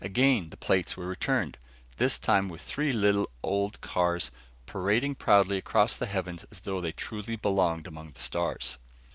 Again the plates were returned; this time with three little old cars parading proudly across the heavens as though they truly belonged among the stars.